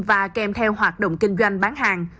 và kèm theo hoạt động kinh doanh bán hàng